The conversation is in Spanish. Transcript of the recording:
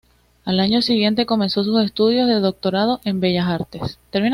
Al año siguiente comenzó sus estudios de Doctorado en Bellas Artes.